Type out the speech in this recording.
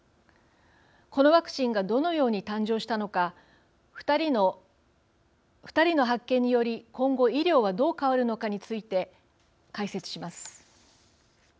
このワクチンがどのように誕生したのか２人の発見により今後、医療はどう変わるのかについて解説します。